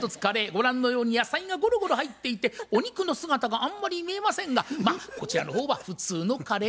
ご覧のように野菜がゴロゴロ入っていてお肉の姿があんまり見えませんがまあこちらの方は普通のカレーといった感じでしょうか。